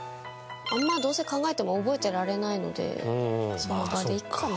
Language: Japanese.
どうせ考えても覚えてられないのでその場でいいかな。